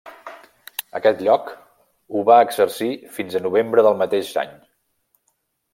Aquest lloc ho va exercir fins a novembre del mateix any.